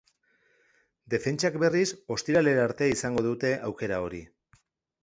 Defentsak, berriz, ostiralera arte izango dute aukera hori.